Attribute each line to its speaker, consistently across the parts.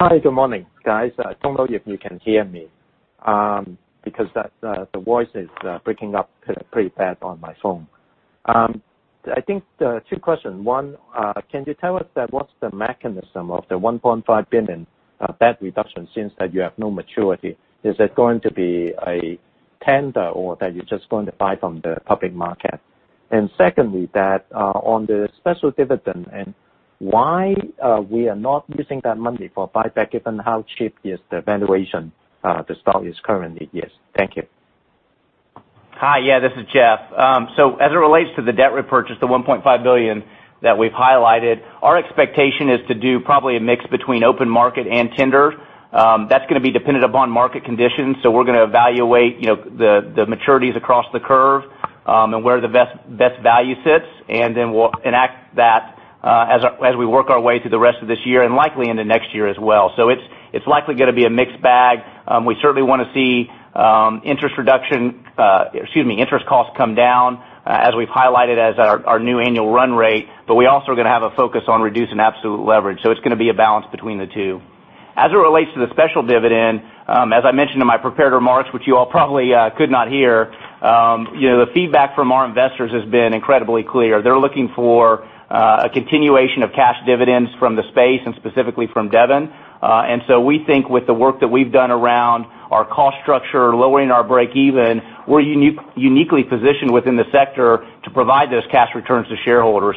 Speaker 1: Hi. Good morning, guys. I don't know if you can hear me because the voice is breaking up pretty bad on my phone. I think two questions. One, can you tell us what's the mechanism of the $1.5 billion debt reduction since you have no maturity? Is it going to be a tender or that you're just going to buy from the public market? Secondly, on the special dividend, why we are not using that money for buyback given how cheap is the valuation the stock is currently? Yes. Thank you.
Speaker 2: Hi. Yeah, this is Jeff. As it relates to the debt repurchase, the $1.5 billion that we've highlighted, our expectation is to do probably a mix between open market and tender. That's going to be dependent upon market conditions. We're going to evaluate the maturities across the curve, and where the best value sits, and then we'll enact that as we work our way through the rest of this year and likely into next year as well. It's likely going to be a mixed bag. We certainly want to see interest costs come down, as we've highlighted as our new annual run rate, we also are going to have a focus on reducing absolute leverage. It's going to be a balance between the two. As it relates to the special dividend, as I mentioned in my prepared remarks, which you all probably could not hear, the feedback from our investors has been incredibly clear. They're looking for a continuation of cash dividends from the space, and specifically from Devon. We think with the work that we've done around our cost structure, lowering our break even, we're uniquely positioned within the sector to provide those cash returns to shareholders.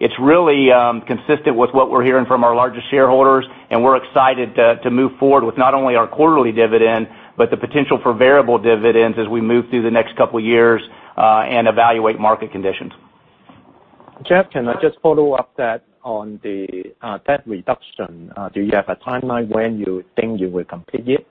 Speaker 2: It's really consistent with what we're hearing from our largest shareholders, and we're excited to move forward with not only our quarterly dividend, but the potential for variable dividends as we move through the next couple of years, and evaluate market conditions.
Speaker 1: Jeff, can I just follow up that on the debt reduction? Do you have a timeline when you think you will complete it?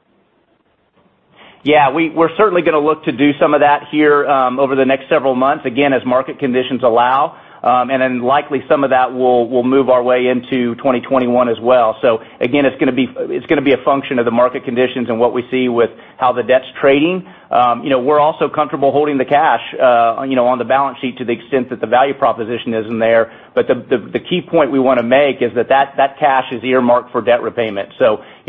Speaker 2: Yeah. We're certainly going to look to do some of that here over the next several months, again, as market conditions allow. Likely some of that will move our way into 2021 as well. Again, it's going to be a function of the market conditions and what we see with how the debt's trading. We're also comfortable holding the cash on the balance sheet to the extent that the value proposition isn't there. The key point we want to make is that cash is earmarked for debt repayment.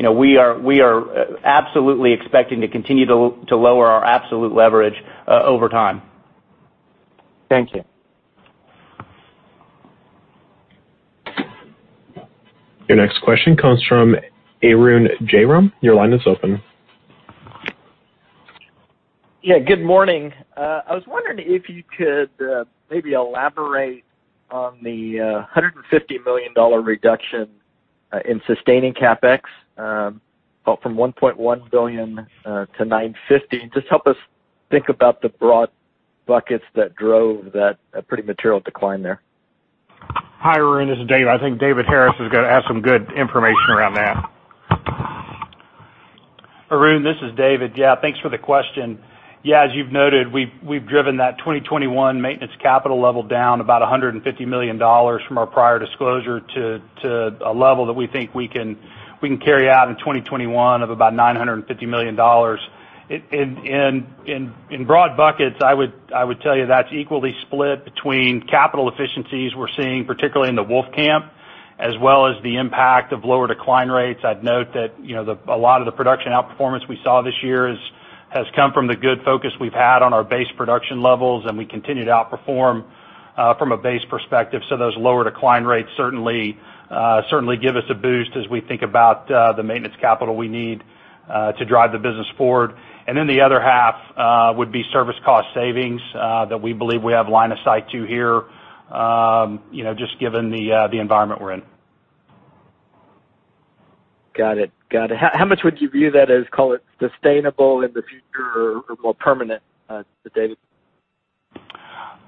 Speaker 2: We are absolutely expecting to continue to lower our absolute leverage over time.
Speaker 1: Thank you.
Speaker 3: Your next question comes from Arun Jayaram. Your line is open.
Speaker 4: Yeah, good morning. I was wondering if you could maybe elaborate on the $150 million reduction in sustaining CapEx, from $1.1 billion to $950 million. Just help us think about the broad buckets that drove that pretty material decline there.
Speaker 5: Hi, Arun, this is Dave. I think David Harris is going to have some good information around that.
Speaker 6: Arun, this is David. Yeah, thanks for the question. Yeah, as you've noted, we've driven that 2021 maintenance capital level down about $150 million from our prior disclosure to a level that we think we can carry out in 2021 of about $950 million. In broad buckets, I would tell you that's equally split between capital efficiencies we're seeing, particularly in the Wolfcamp, as well as the impact of lower decline rates. I'd note that a lot of the production outperformance we saw this year has come from the good focus we've had on our base production levels, and we continue to outperform from a base perspective. Those lower decline rates certainly give us a boost as we think about the maintenance capital we need to drive the business forward. The other half would be service cost savings that we believe we have line of sight to here, just given the environment we're in.
Speaker 4: Got it. How much would you view that as, call it, sustainable in the future or more permanent, David?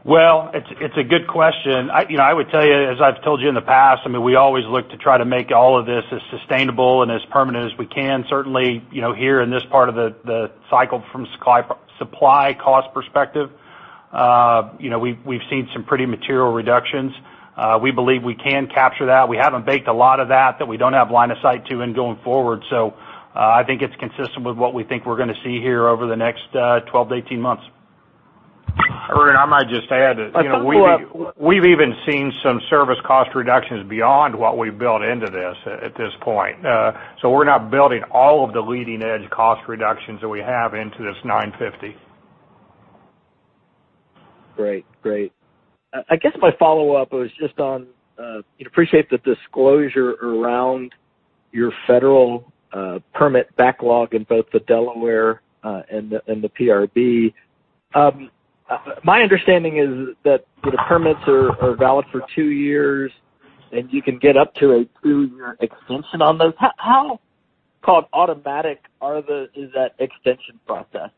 Speaker 6: Well, it's a good question. I would tell you, as I've told you in the past, we always look to try to make all of this as sustainable and as permanent as we can. Certainly, here in this part of the cycle from supply cost perspective, we've seen some pretty material reductions. We believe we can capture that. We haven't baked a lot of that we don't have line of sight to in going forward. I think it's consistent with what we think we're going to see here over the next 12 to 18 months.
Speaker 5: Arun, I might just add.
Speaker 4: A quick follow-up.
Speaker 5: we've even seen some service cost reductions beyond what we've built into this at this point. We're not building all of the leading-edge cost reductions that we have into this 950.
Speaker 4: Great. I guess my follow-up was just on, appreciate the disclosure around your federal permit backlog in both the Delaware and the PRB. My understanding is that the permits are valid for two years, and you can get up to a two-year extension on those. How automatic is that extension process?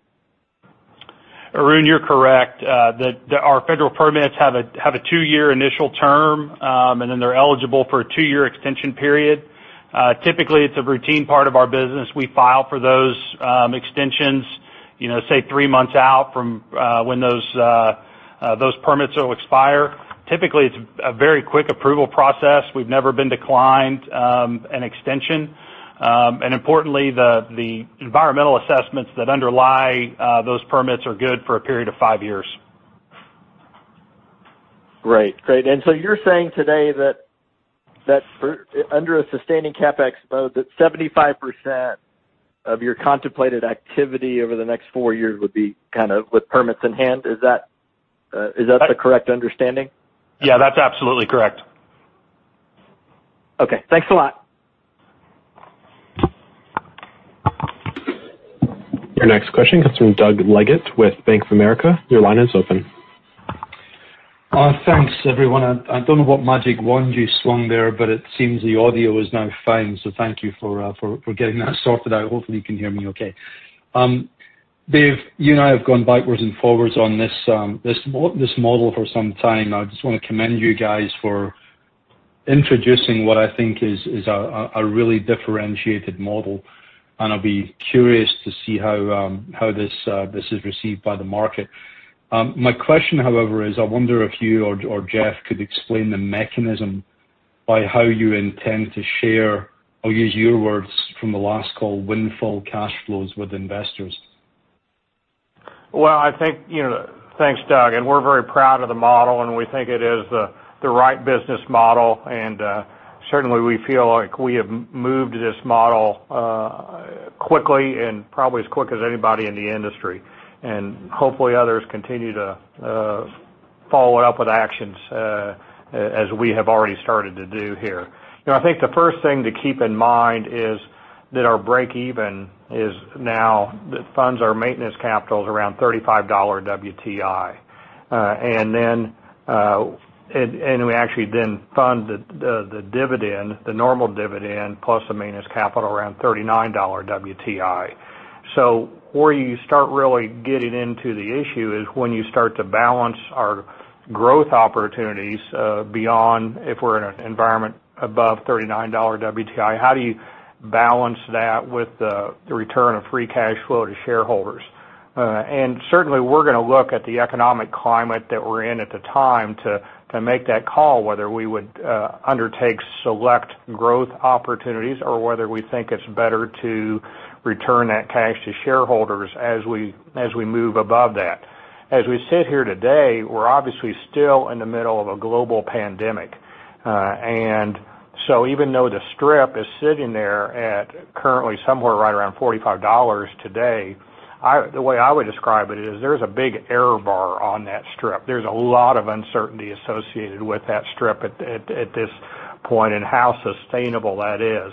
Speaker 6: Arun, you're correct. Our federal permits have a two-year initial term, and then they're eligible for a two-year extension period. Typically, it's a routine part of our business. We file for those extensions, say three months out from when those permits will expire. Typically, it's a very quick approval process. We've never been declined an extension. Importantly, the environmental assessments that underlie those permits are good for a period of five years.
Speaker 4: Great. You're saying today that under a sustaining CapEx mode, that 75% of your contemplated activity over the next four years would be with permits in hand. Is that the correct understanding?
Speaker 5: Yeah, that's absolutely correct.
Speaker 4: Okay. Thanks a lot.
Speaker 3: Your next question comes from Doug Leggate with Bank of America. Your line is open.
Speaker 7: Thanks, everyone. I don't know what magic wand you swung there, but it seems the audio is now fine. Thank you for getting that sorted out. Hopefully, you can hear me okay. Dave, you and I have gone backwards and forwards on this model for some time now. I just want to commend you guys for introducing what I think is a really differentiated model, and I'll be curious to see how this is received by the market. My question, however, is, I wonder if you or Jeff could explain the mechanism by how you intend to share, or use your words from the last call, windfall cash flows with investors.
Speaker 5: Well, thanks, Doug, and we're very proud of the model, and we think it is the right business model. Certainly, we feel like we have moved this model quickly and probably as quick as anybody in the industry. Hopefully, others continue to follow it up with actions, as we have already started to do here. I think the first thing to keep in mind is that our break even now funds our maintenance capital is around $35 WTI. We actually then fund the normal dividend plus the maintenance capital around $39 WTI. Where you start really getting into the issue is when you start to balance our growth opportunities beyond if we're in an environment above $39 WTI, how do you balance that with the return of free cash flow to shareholders? Certainly, we're going to look at the economic climate that we're in at the time to make that call, whether we would undertake select growth opportunities or whether we think it's better to return that cash to shareholders as we move above that. As we sit here today, we're obviously still in the middle of a global pandemic. Even though the strip is sitting there at currently somewhere right around $45 today, the way I would describe it is there's a big error bar on that strip. There's a lot of uncertainty associated with that strip at this point and how sustainable that is.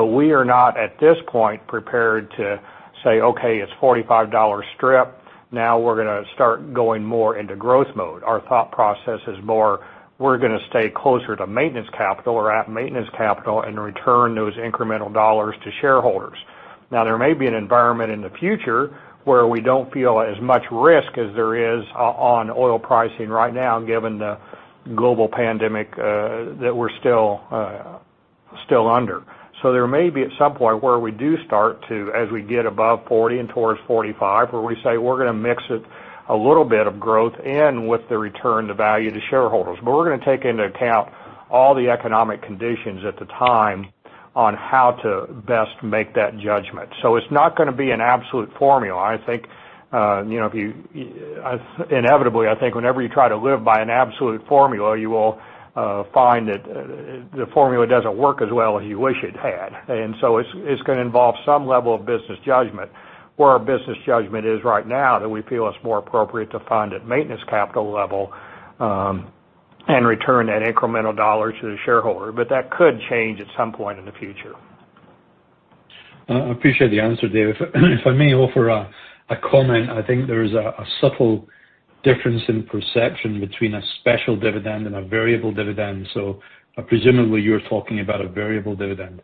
Speaker 5: We are not, at this point, prepared to say, "Okay, it's $45 strip. Now we're going to start going more into growth mode." Our thought process is more, we're going to stay closer to maintenance capital or at maintenance capital and return those incremental dollars to shareholders. Now, there may be an environment in the future where we don't feel as much risk as there is on oil pricing right now, given the global pandemic that we're still under. There may be at some point where we do start to, as we get above $40 and towards $45, where we say we're going to mix it a little bit of growth in with the return to value to shareholders. We're going to take into account all the economic conditions at the time on how to best make that judgment. It's not going to be an absolute formula. Inevitably, I think whenever you try to live by an absolute formula, you will find that the formula doesn't work as well as you wish it had. It's going to involve some level of business judgment. Where our business judgment is right now, that we feel it's more appropriate to fund at maintenance capital level, and return that incremental dollar to the shareholder. That could change at some point in the future.
Speaker 7: I appreciate the answer, Dave. If I may offer a comment, I think there is a subtle difference in perception between a special dividend and a variable dividend. Presumably, you're talking about a variable dividend.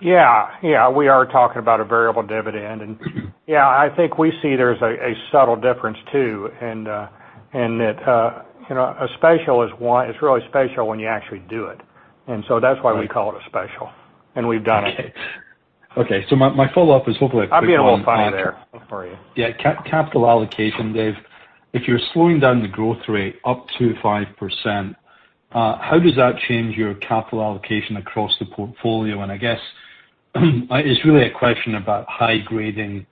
Speaker 5: Yeah. We are talking about a variable dividend. Yeah, I think we see there's a subtle difference, too, in that a special is really special when you actually do it. That's why we call it a special, and we've done it.
Speaker 7: Okay. My follow-up is hopefully.
Speaker 5: I'm being a little funny there for you.
Speaker 7: Yeah. Capital allocation, Dave. If you're slowing down the growth rate up to 5%, how does that change your capital allocation across the portfolio? I guess it's really a question about high-grading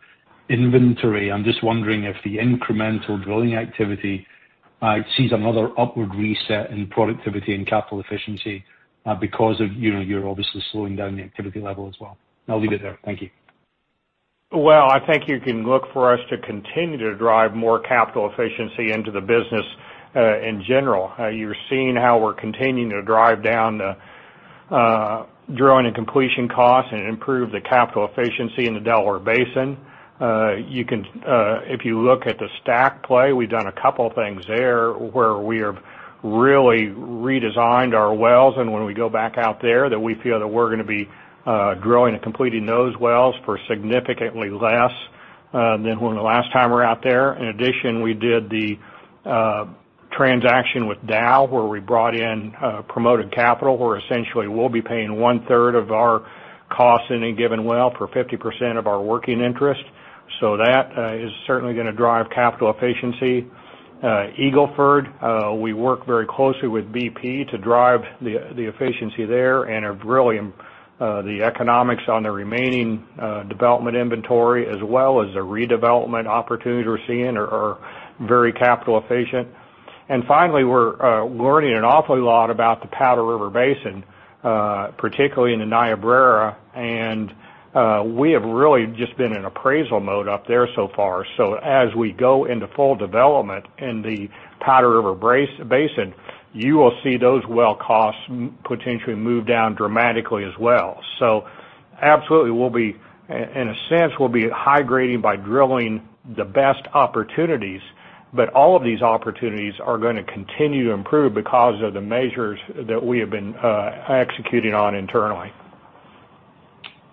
Speaker 7: inventory. I'm just wondering if the incremental drilling activity sees another upward reset in productivity and capital efficiency because you're obviously slowing down the activity level as well. I'll leave it there. Thank you.
Speaker 5: Well, I think you can look for us to continue to drive more capital efficiency into the business in general. You're seeing how we're continuing to drive down the drilling and completion costs and improve the capital efficiency in the Delaware Basin. If you look at the STACK play, we've done a couple of things there where we have really redesigned our wells, and when we go back out there, that we feel that we're going to be drilling and completing those wells for significantly less than the last time we were out there. In addition, we did the transaction with Dow, where we brought in promoted capital, where essentially we'll be paying one-third of our cost in a given well for 50% of our working interest. That is certainly going to drive capital efficiency. Eagle Ford, we work very closely with BP to drive the efficiency there. The economics on the remaining development inventory as well as the redevelopment opportunities we're seeing are very capital efficient. Finally, we're learning an awfully lot about the Powder River Basin, particularly in the Niobrara, and we have really just been in appraisal mode up there so far. As we go into full development in the Powder River Basin, you will see those well costs potentially move down dramatically as well. Absolutely, in a sense, we'll be high grading by drilling the best opportunities. All of these opportunities are going to continue to improve because of the measures that we have been executing on internally.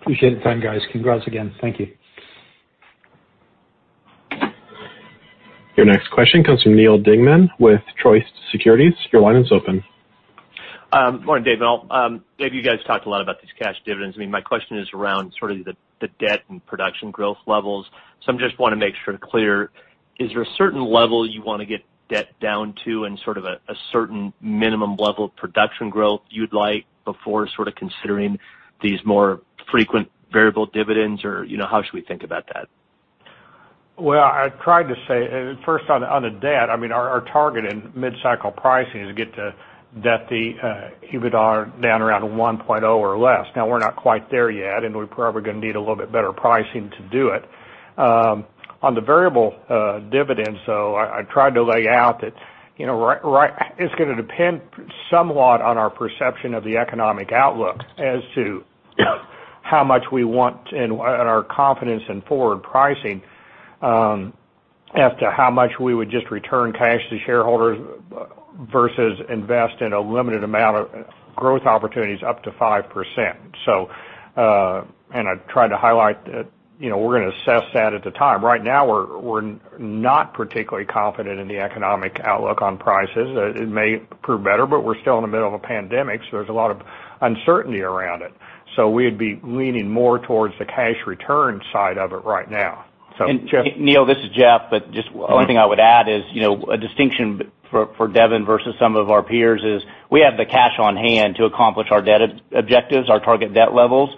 Speaker 7: Appreciate the time, guys. Congrats again. Thank you.
Speaker 3: Your next question comes from Neal Dingmann with Truist Securities. Your line is open.
Speaker 8: Good morning, Dave. Dave, you guys talked a lot about these cash dividends. My question is around sort of the debt and production growth levels. I just want to make sure clear, is there a certain level you want to get debt down to and sort of a certain minimum level of production growth you'd like before considering these more frequent variable dividends or how should we think about that?
Speaker 5: Well, I tried to say, first on the debt, our target in mid-cycle pricing is to get to debt to EBITDA down around 1.0 or less. We're not quite there yet, and we're probably going to need a little bit better pricing to do it. On the variable dividends, though, I tried to lay out that it's going to depend somewhat on our perception of the economic outlook as to how much we want and our confidence in forward pricing as to how much we would just return cash to shareholders versus invest in a limited amount of growth opportunities up to 5%. I tried to highlight that we're going to assess that at the time. Right now, we're not particularly confident in the economic outlook on prices. It may prove better, but we're still in the middle of a pandemic, so there's a lot of uncertainty around it. We'd be leaning more towards the cash return side of it right now.
Speaker 2: Neal, this is Jeff. Just one thing I would add is, a distinction for Devon versus some of our peers is we have the cash on hand to accomplish our debt objectives, our target debt levels.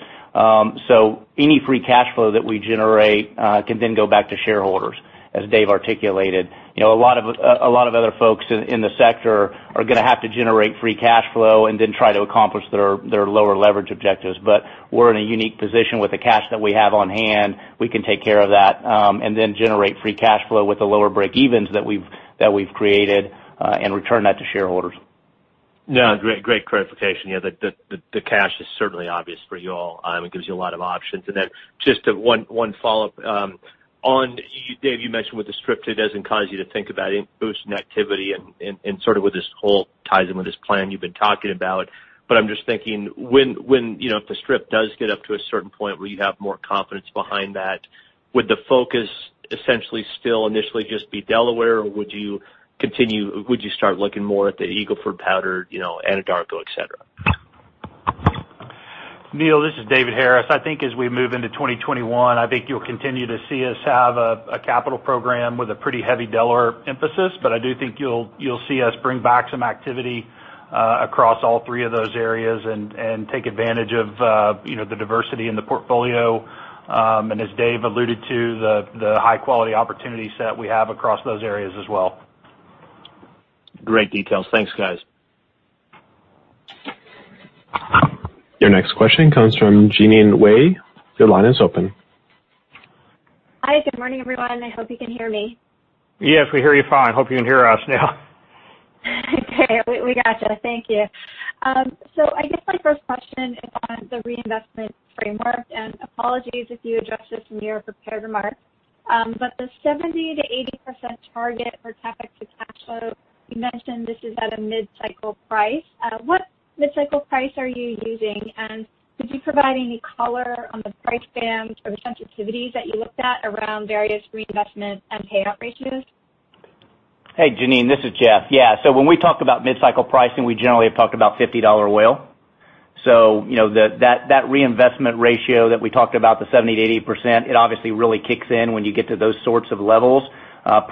Speaker 2: Any free cash flow that we generate can then go back to shareholders, as Dave articulated. A lot of other folks in the sector are going to have to generate free cash flow and then try to accomplish their lower leverage objectives. We're in a unique position with the cash that we have on hand. We can take care of that, and then generate free cash flow with the lower breakevens that we've created, and return that to shareholders.
Speaker 8: Yeah. Great clarification. The cash is certainly obvious for you all. It gives you a lot of options. Just one follow-up. Dave, you mentioned with the strip, it doesn't cause you to think about boosting activity and sort of with this whole ties in with this plan you've been talking about. I'm just thinking, if the strip does get up to a certain point where you have more confidence behind that, would the focus essentially still initially just be Delaware, or would you start looking more at the Eagle Ford, Powder, Anadarko, et cetera?
Speaker 6: Neal, this is David Harris. I think as we move into 2021, I think you'll continue to see us have a capital program with a pretty heavy Delaware emphasis. I do think you'll see us bring back some activity across all three of those areas and take advantage of the diversity in the portfolio. As Dave alluded to, the high-quality opportunity set we have across those areas as well.
Speaker 8: Great details. Thanks, guys.
Speaker 3: Your next question comes from Jeanine Wai. Your line is open.
Speaker 9: Hi. Good morning, everyone. I hope you can hear me.
Speaker 5: Yes, we hear you fine. Hope you can hear us now.
Speaker 9: Okay, we got you. Thank you. I guess my first question is on the reinvestment framework, and apologies if you addressed this in your prepared remarks. The 70%-80% target for CapEx to cash flow, you mentioned this is at a mid-cycle price. What mid-cycle price are you using? Could you provide any color on the price bands or the sensitivities that you looked at around various reinvestment and payout ratios?
Speaker 2: Hey, Jeanine, this is Jeff. Yeah, when we talk about mid-cycle pricing, we generally have talked about $50 oil. That reinvestment ratio that we talked about, the 70%-80%, it obviously really kicks in when you get to those sorts of levels.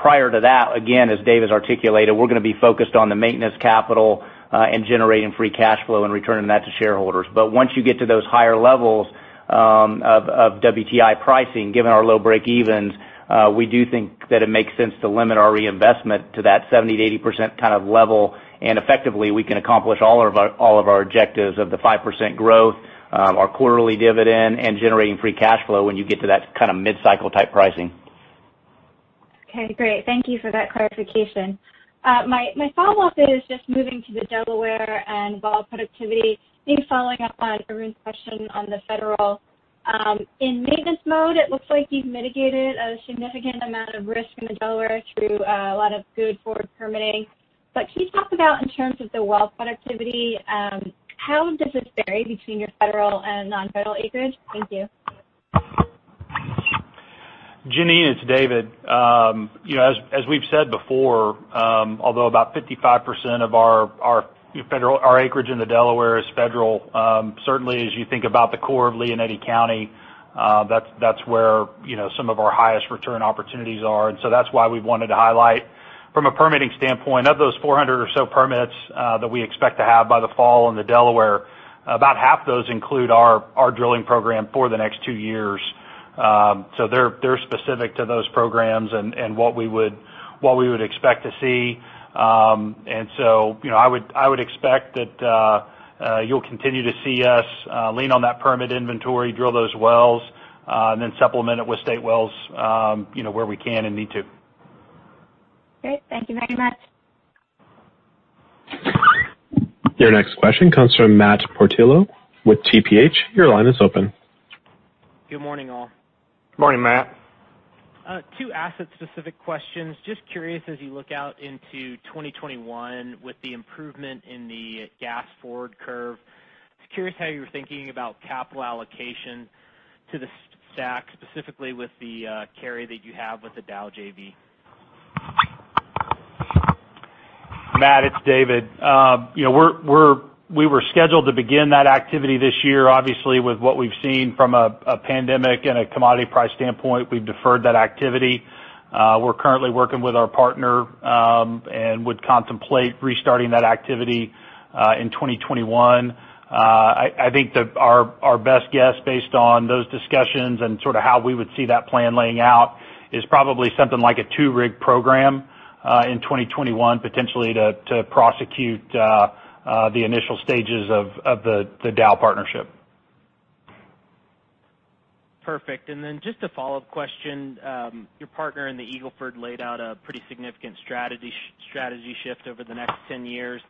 Speaker 2: Prior to that, again, as Dave has articulated, we're going to be focused on the maintenance capital and generating free cash flow and returning that to shareholders. Once you get to those higher levels of WTI pricing, given our low breakevens, we do think that it makes sense to limit our reinvestment to that 70%-80% kind of level. Effectively, we can accomplish all of our objectives of the 5% growth, our quarterly dividend, and generating free cash flow when you get to that kind of mid-cycle type pricing.
Speaker 9: Okay, great. Thank you for that clarification. My follow-up is just moving to the Delaware and well productivity. Maybe following up on Arun's question on the federal. In maintenance mode, it looks like you've mitigated a significant amount of risk in the Delaware through a lot of good forward permitting. Can you talk about in terms of the well productivity, how does this vary between your federal and non-federal acreage? Thank you.
Speaker 6: Jeanine, it's David. As we've said before, although about 55% of our acreage in the Delaware is federal. Certainly, as you think about the core of Lea and Eddy County, that's where some of our highest return opportunities are. That's why we wanted to highlight From a permitting standpoint, of those 400 or so permits that we expect to have by the fall in the Delaware, about half those include our drilling program for the next two years. They're specific to those programs and what we would expect to see. I would expect that you'll continue to see us lean on that permit inventory, drill those wells, and then supplement it with state wells where we can and need to.
Speaker 9: Great. Thank you very much.
Speaker 3: Your next question comes from Matt Portillo with TPH. Your line is open.
Speaker 10: Good morning, all.
Speaker 6: Morning, Matt.
Speaker 10: Two asset-specific questions. Just curious, as you look out into 2021 with the improvement in the gas forward curve, just curious how you were thinking about capital allocation to the STACK, specifically with the carry that you have with the Dow JV.
Speaker 6: Matt, it's David. We were scheduled to begin that activity this year. Obviously, with what we've seen from a pandemic and a commodity price standpoint, we've deferred that activity. We're currently working with our partner, and would contemplate restarting that activity in 2021. I think that our best guess, based on those discussions and how we would see that plan laying out, is probably something like a two-rig program in 2021, potentially to prosecute the initial stages of the Dow partnership.
Speaker 10: Perfect. Just a follow-up question. Your partner in the Eagle Ford laid out a pretty significant strategy shift over the next 10 years,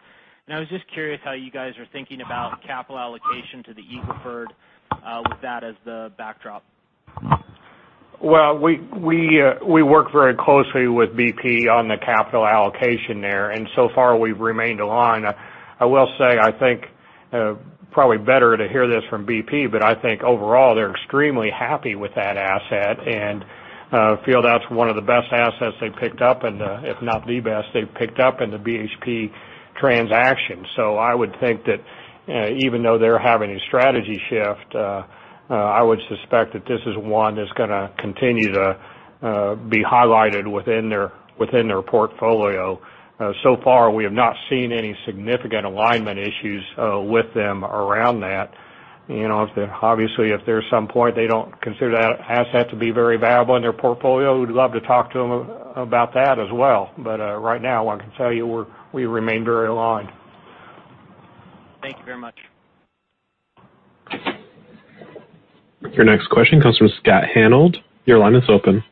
Speaker 10: I was just curious how you guys are thinking about capital allocation to the Eagle Ford, with that as the backdrop.
Speaker 6: Well, we work very closely with BP on the capital allocation there, and so far we've remained aligned. I will say, I think, probably better to hear this from BP, but I think overall, they're extremely happy with that asset and feel that's one of the best assets they've picked up, if not the best they've picked up in the BHP transaction. I would think that even though they're having a strategy shift, I would suspect that this is one that's going to continue to be highlighted within their portfolio. So far, we have not seen any significant alignment issues with them around that. Obviously, if there's some point they don't consider that asset to be very valuable in their portfolio, we'd love to talk to them about that as well. Right now, I can tell you, we remain very aligned.
Speaker 10: Thank you very much.
Speaker 3: Your next question comes from Scott Hanold. Your line is open.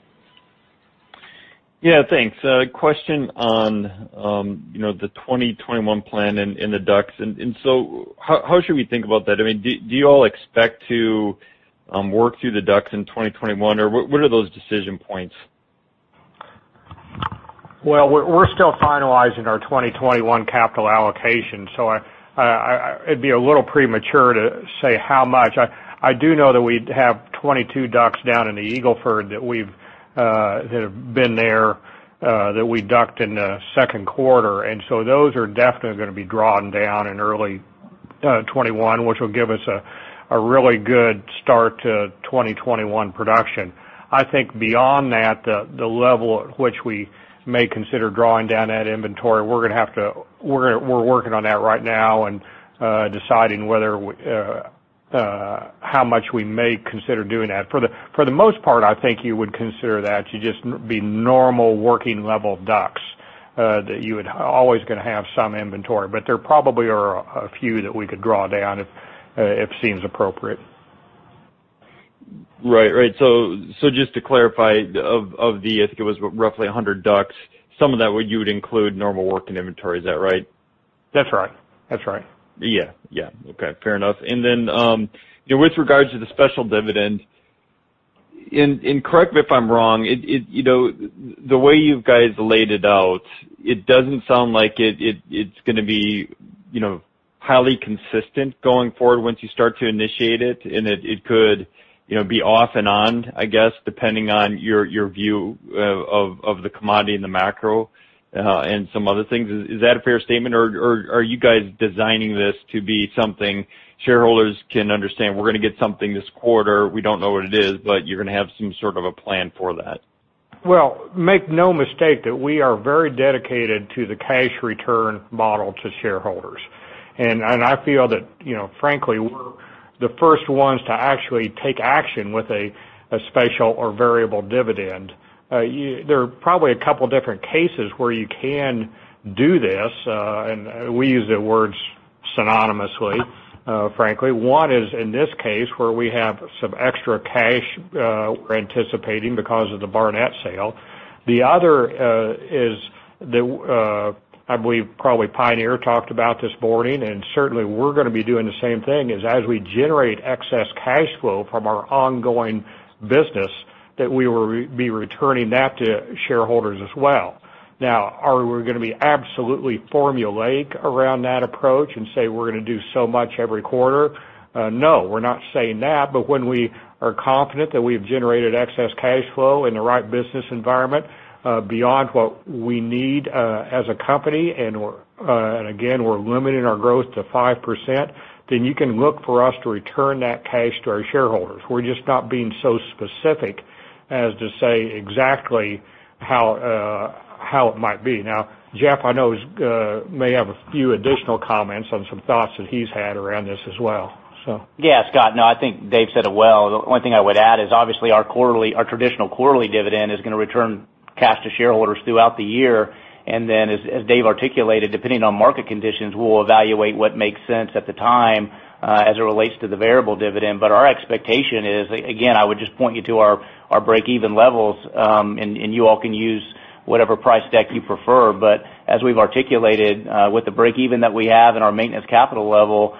Speaker 11: Yeah, thanks. A question on the 2021 plan and the DUCs. How should we think about that? Do you all expect to work through the DUCs in 2021? What are those decision points?
Speaker 6: Well, we're still finalizing our 2021 capital allocation, so it'd be a little premature to say how much. I do know that we have 22 DUCs down in the Eagle Ford that have been there, that we DUC'd in the second quarter. Those are definitely going to be drawn down in early 2021, which will give us a really good start to 2021 production. I think beyond that, the level at which we may consider drawing down that inventory, we're working on that right now and deciding how much we may consider doing that. For the most part, I think you would consider that to just be normal working level DUCs, that you would always going to have some inventory. There probably are a few that we could draw down if it seems appropriate.
Speaker 11: Right. Just to clarify, of the, I think it was roughly 100 DUCs, some of that you would include normal working inventory, is that right?
Speaker 6: That's right.
Speaker 11: Yeah. Okay, fair enough. Then, with regards to the special dividend, and correct me if I'm wrong, the way you guys laid it out, it doesn't sound like it's going to be highly consistent going forward once you start to initiate it, and it could be off and on, I guess, depending on your view of the commodity and the macro, and some other things. Is that a fair statement, or are you guys designing this to be something shareholders can understand? We're going to get something this quarter. We don't know what it is, but you're going to have some sort of a plan for that.
Speaker 5: Make no mistake that we are very dedicated to the cash return model to shareholders. I feel that frankly, we're the first ones to actually take action with a special or variable dividend. There are probably a couple different cases where you can do this, and we use the words synonymously, frankly. One is, in this case, where we have some extra cash we're anticipating because of the Barnett sale. The other is I believe probably Pioneer talked about this morning, and certainly we're going to be doing the same thing, is as we generate excess cash flow from our ongoing business, that we will be returning that to shareholders as well. Are we going to be absolutely formulaic around that approach and say we're going to do so much every quarter? No, we're not saying that. When we are confident that we've generated excess cash flow in the right business environment, beyond what we need as a company, and again, we're limiting our growth to 5%, then you can look for us to return that cash to our shareholders. We're just not being so specific as to say exactly how it might be. Jeff, I know may have a few additional comments on some thoughts that he's had around this as well.
Speaker 2: Yeah, Scott. No, I think Dave said it well. The only thing I would add is obviously our traditional quarterly dividend is going to return cash to shareholders throughout the year, and then as Dave articulated, depending on market conditions, we'll evaluate what makes sense at the time as it relates to the variable dividend. Our expectation is, again, I would just point you to our break-even levels, and you all can use whatever price deck you prefer, but as we've articulated with the break-even that we have and our maintenance capital level,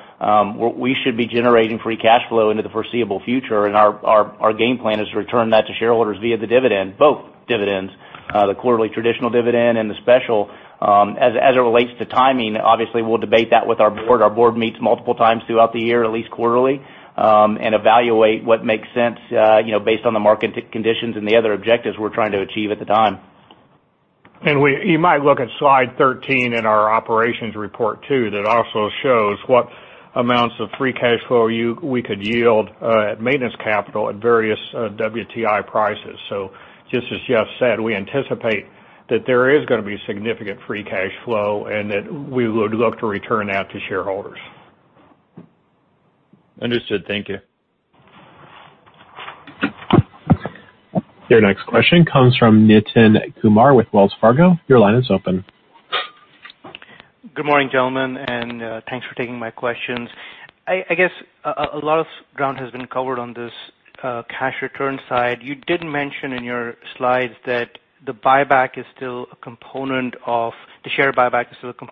Speaker 2: we should be generating free cash flow into the foreseeable future, and our game plan is to return that to shareholders via the dividend, both dividends, the quarterly traditional dividend and the special. As it relates to timing, obviously we'll debate that with our board. Our board meets multiple times throughout the year, at least quarterly, and evaluate what makes sense based on the market conditions and the other objectives we're trying to achieve at the time.
Speaker 5: You might look at slide 13 in our operations report too. That also shows what amounts of free cash flow we could yield at maintenance capital at various WTI prices. Just as Jeff said, we anticipate that there is going to be significant free cash flow, and that we would look to return that to shareholders.
Speaker 11: Understood. Thank you.
Speaker 3: Your next question comes from Nitin Kumar with Wells Fargo. Your line is open.
Speaker 12: Good morning, gentlemen, and thanks for taking my questions. I guess a lot of ground has been covered on this cash return side. You did mention in your slides that the share buyback is still a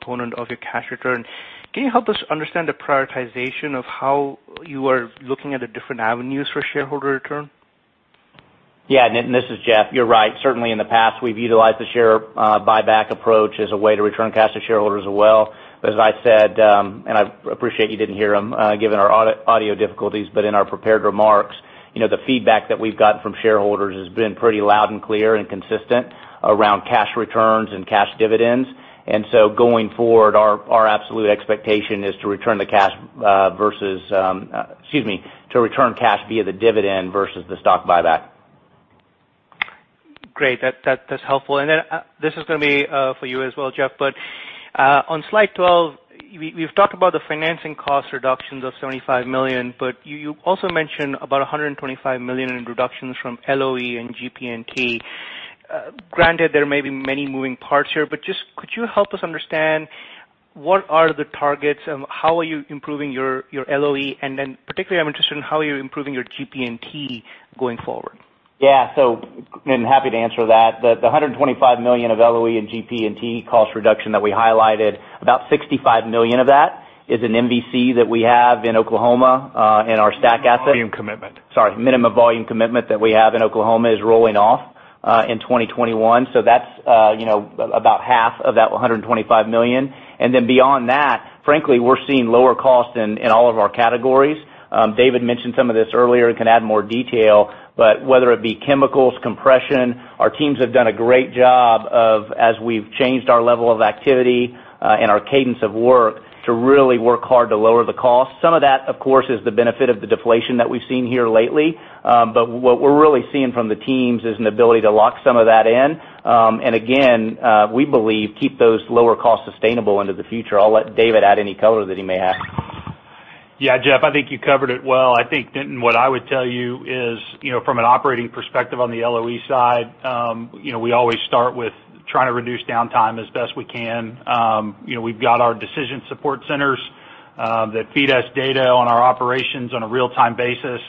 Speaker 12: component of your cash return. Can you help us understand the prioritization of how you are looking at the different avenues for shareholder return?
Speaker 2: Yeah, Nitin, this is Jeff. You're right. Certainly in the past, we've utilized the share buyback approach as a way to return cash to shareholders as well. As I said, and I appreciate you didn't hear them given our audio difficulties, but in our prepared remarks, the feedback that we've gotten from shareholders has been pretty loud and clear and consistent around cash returns and cash dividends. Going forward, our absolute expectation is to return cash via the dividend versus the stock buyback.
Speaker 12: Great. That's helpful. This is going to be for you as well, Jeff, on slide 12, we've talked about the financing cost reductions of $75 million, but you also mentioned about $125 million in reductions from LOE and GP&T. Granted, there may be many moving parts here, just could you help us understand what are the targets and how are you improving your LOE? Particularly, I'm interested in how you're improving your GP&T going forward.
Speaker 2: Happy to answer that. The $125 million of LOE and GP&T cost reduction that we highlighted, about $65 million of that is an MVC that we have in Oklahoma in our STACK asset.
Speaker 6: Minimum volume commitment.
Speaker 2: Sorry, minimum volume commitment that we have in Oklahoma is rolling off in 2021. That's about half of that $125 million. Beyond that, frankly, we're seeing lower costs in all of our categories. David mentioned some of this earlier and can add more detail, but whether it be chemicals, compression, our teams have done a great job of, as we've changed our level of activity and our cadence of work, to really work hard to lower the cost. Some of that, of course, is the benefit of the deflation that we've seen here lately. What we're really seeing from the teams is an ability to lock some of that in. Again, we believe keep those lower costs sustainable into the future. I'll let David add any color that he may have.
Speaker 6: Yeah, Jeff, I think you covered it well. I think, Nitin, what I would tell you is from an operating perspective on the LOE side, we always start with trying to reduce downtime as best we can. We've got our decision support centers that feed us data on our operations on a real-time basis.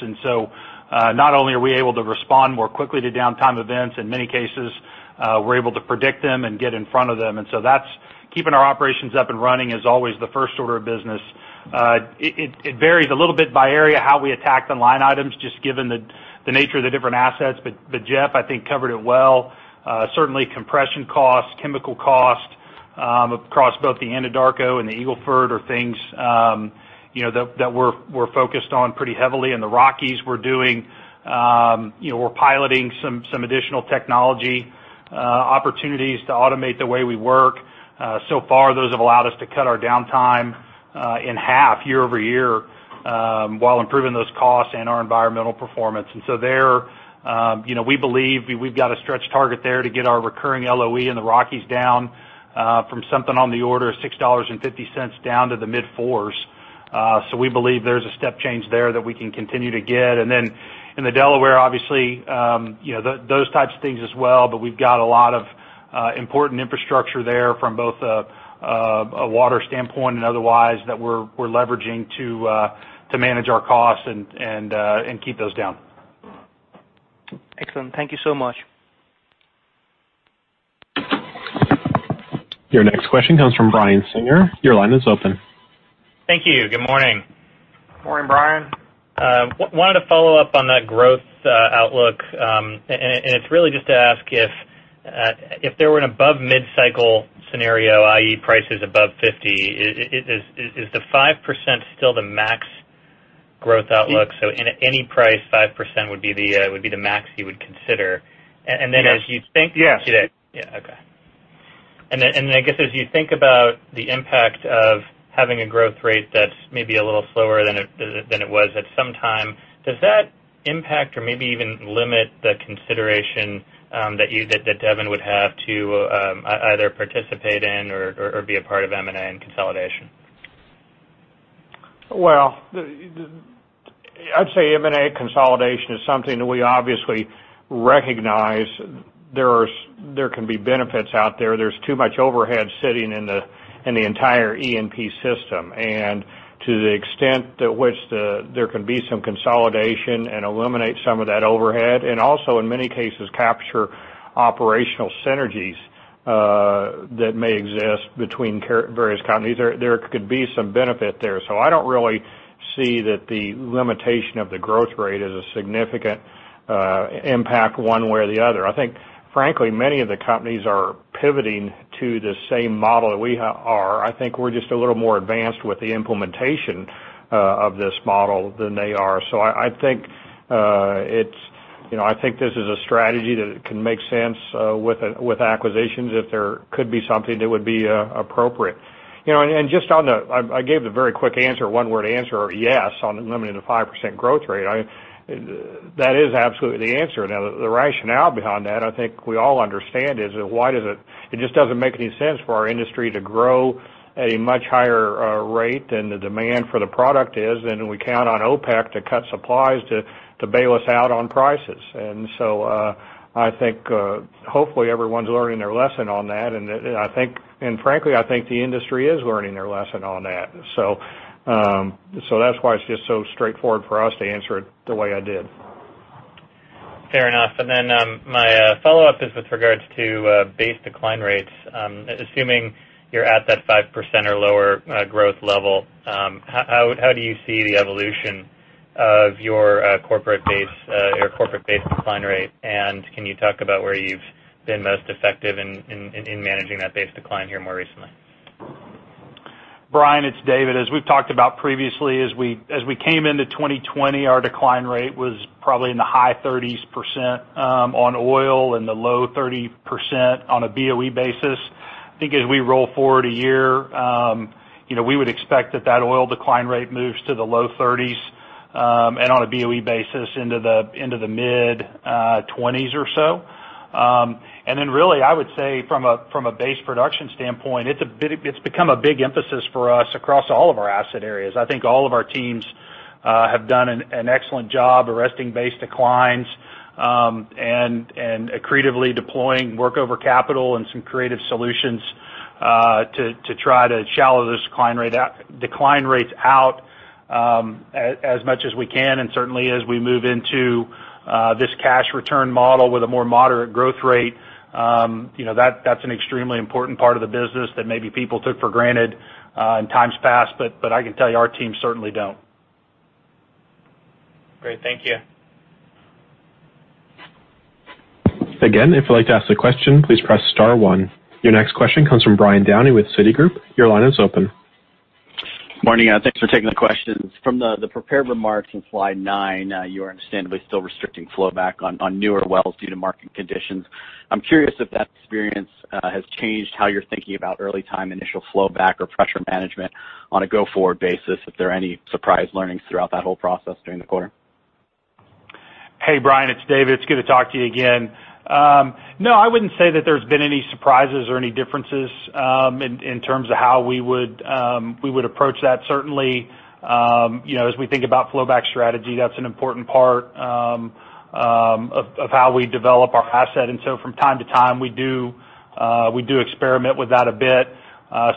Speaker 6: Not only are we able to respond more quickly to downtime events, in many cases, we're able to predict them and get in front of them. That's keeping our operations up and running is always the first order of business. It varies a little bit by area how we attack the line items, just given the nature of the different assets. Jeff, I think covered it well. Certainly compression cost, chemical cost across both the Anadarko and the Eagle Ford are things that we're focused on pretty heavily. In the Rockies, we're piloting some additional technology opportunities to automate the way we work. Far, those have allowed us to cut our downtime in half year-over-year, while improving those costs and our environmental performance. There, we believe we've got a stretch target there to get our recurring LOE in the Rockies down from something on the order of $6.50 down to the mid $4s. We believe there's a step change there that we can continue to get. In the Delaware, obviously, those types of things as well, but we've got a lot of important infrastructure there from both a water standpoint and otherwise that we're leveraging to manage our costs and keep those down.
Speaker 12: Excellent. Thank you so much.
Speaker 3: Your next question comes from Brian Singer. Your line is open.
Speaker 13: Thank you. Good morning.
Speaker 6: Morning, Brian.
Speaker 13: Wanted to follow up on that growth outlook. It's really just to ask if there were an above mid-cycle scenario, i.e., prices above $50, is the 5% still the max growth outlook? In any price, 5% would be the max you would consider?
Speaker 5: Yes.
Speaker 13: Yeah, okay. I guess as you think about the impact of having a growth rate that's maybe a little slower than it was at some time, does that impact or maybe even limit the consideration that Devon would have to either participate in or be a part of M&A and consolidation?
Speaker 5: I'd say M&A consolidation is something that we obviously recognize there can be benefits out there. There's too much overhead sitting in the entire E&P system, and to the extent that which there can be some consolidation and eliminate some of that overhead, and also, in many cases, capture operational synergies that may exist between various companies. There could be some benefit there. I don't really see that the limitation of the growth rate is a significant impact one way or the other. I think, frankly, many of the companies are pivoting to the same model that we are. I think we're just a little more advanced with the implementation of this model than they are. I think this is a strategy that can make sense with acquisitions if there could be something that would be appropriate. I gave the very quick answer, one-word answer, yes, on limiting the 5% growth rate. That is absolutely the answer. The rationale behind that, I think we all understand is that it just doesn't make any sense for our industry to grow at a much higher rate than the demand for the product is, and we count on OPEC to cut supplies to bail us out on prices. I think, hopefully, everyone's learning their lesson on that, and frankly, I think the industry is learning their lesson on that. That's why it's just so straightforward for us to answer it the way I did.
Speaker 13: Fair enough. My follow-up is with regards to base decline rates. Assuming you're at that 5% or lower growth level, how do you see the evolution of your corporate base decline rate? Can you talk about where you've been most effective in managing that base decline here more recently?
Speaker 6: Brian, it's David. As we've talked about previously, as we came into 2020, our decline rate was probably in the high 30s% on oil and the low 30% on a BOE basis. I think as we roll forward a year, we would expect that that oil decline rate moves to the low 30s, and on a BOE basis, into the mid-20s or so. Really, I would say from a base production standpoint, it's become a big emphasis for us across all of our asset areas. I think all of our teams have done an excellent job arresting base declines and creatively deploying workover capital and some creative solutions to try to shallow those decline rates out as much as we can.
Speaker 5: Certainly, as we move into this cash return model with a more moderate growth rate, that's an extremely important part of the business that maybe people took for granted in times past. I can tell you, our teams certainly don't.
Speaker 13: Great. Thank you.
Speaker 3: Your next question comes from Brian Downey with Citigroup. Your line is open.
Speaker 14: Morning. Thanks for taking the questions. From the prepared remarks in slide nine, you are understandably still restricting flowback on newer wells due to market conditions. I'm curious if that experience has changed how you're thinking about early time initial flowback or pressure management on a go-forward basis, if there are any surprise learnings throughout that whole process during the quarter?
Speaker 6: Hey, Brian, it's David. It's good to talk to you again. I wouldn't say that there's been any surprises or any differences in terms of how we would approach that. Certainly, as we think about flowback strategy, that's an important part of how we develop our asset. From time to time, we do experiment with that a bit.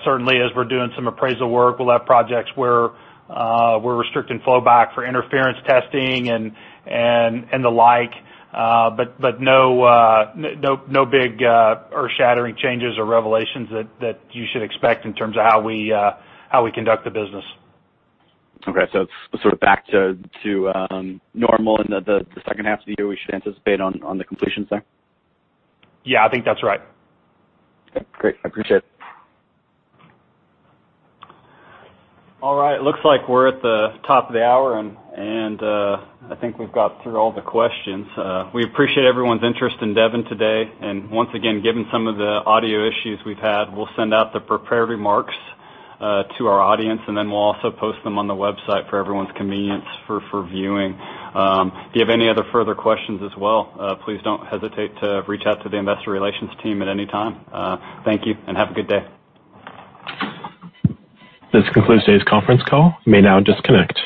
Speaker 6: Certainly, as we're doing some appraisal work, we'll have projects where we're restricting flowback for interference testing and the like. No big earth-shattering changes or revelations that you should expect in terms of how we conduct the business.
Speaker 14: Okay. It's sort of back to normal in the second half of the year we should anticipate on the completions there?
Speaker 6: Yeah, I think that's right.
Speaker 14: Okay, great. I appreciate it.
Speaker 2: All right. Looks like we're at the top of the hour, and I think we've got through all the questions. We appreciate everyone's interest in Devon today. Once again, given some of the audio issues we've had, we'll send out the prepared remarks to our audience, and then we'll also post them on the website for everyone's convenience for viewing. If you have any other further questions as well, please don't hesitate to reach out to the investor relations team at any time. Thank you, and have a good day.
Speaker 3: This concludes today's conference call. You may now disconnect.